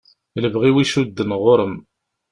Lebɣi-w icudden ɣur-m.